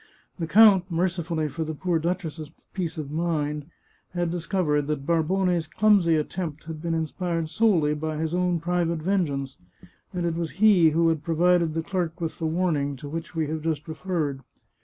The count, merci fully for the poor duchess's peace of mind, had discovered that Barbone's clumsy attempt had been inspired solely by his own private vengeance, and it was he who had provided the clerk with the warning to which we have just referred.